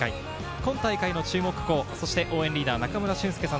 今大会の注目校、そして応援リーダー・中村俊輔さん